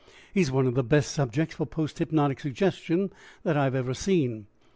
He is one of the best subjects for post hypnotic suggestion that I have ever seen.